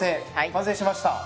完成しました！